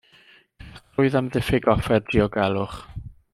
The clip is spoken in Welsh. Cracrwydd am ddiffyg offer diogelwch.